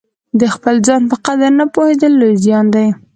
د خپل ځان په قدر نه پوهېدل لوی زیان دی.